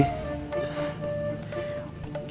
kamu teh juga bisa ikut ucuy